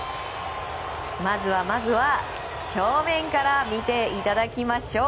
まずは、まずは正面か見ていただきましょう。